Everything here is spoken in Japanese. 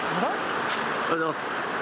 おはようございます。